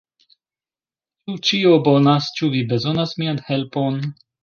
"Ĉu ĉio bonas? Ĉu vi bezonas mian helpon?"